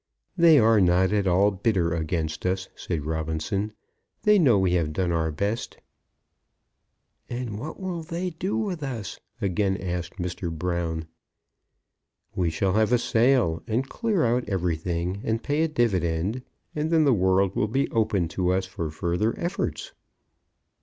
"They are not at all bitter against us," said Robinson. "They know we have done our best." "And what will they do with us?" again asked Mr. Brown. "We shall have a sale, and clear out everything, and pay a dividend; and then the world will be open to us for further efforts."